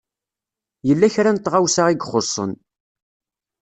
Yella kra n tɣawsa i ixuṣṣen.